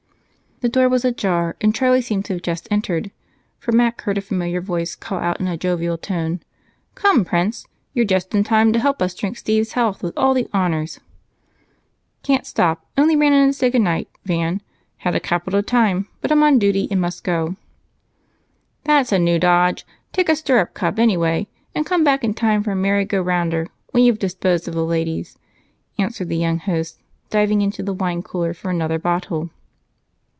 The door was ajar, and Charlie seemed to have just entered, for Mac heard a familiar voice call out in a jovial tone: "Come, Prince! You're just in time to help us drink Steve's health with all the honors." "Can't stop, only ran in to say good night, Van. Had a capital time, but I'm on duty and must go." "That's a new dodge. Take a stirrup cup anyway, and come back in time for a merry go rounder when you've disposed of the ladies," answered the young host, diving into the wine cooler for another bottle.